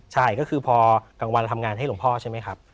ใช่ก็คือพอกลางวันทำงานให้หลวงพ่อใช่ไหมครับ